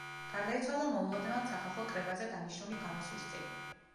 გარდაიცვალა მოულოდნელად სახალხო კრებაზე დანიშნული გამოსვლის წინ.